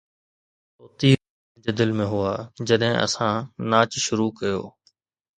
هڪ سئو تير منهنجي دل ۾ هئا جڏهن اسان ناچ شروع ڪيو